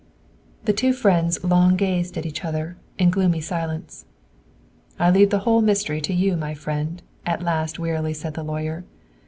The two friends long gazed at each other in a gloomy silence. "I leave the whole mystery to you, my friend," at last wearily said the lawyer.